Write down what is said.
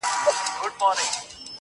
تا چي نن په مينه راته وكتل~